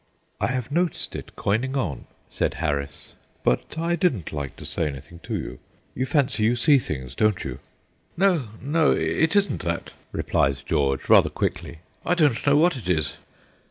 "I have noticed it coming on," said Harris; "but I didn't like to say anything to you. You fancy you see things, don't you?" "No, no; it isn't that," replied George, rather quickly. "I don't know what it is."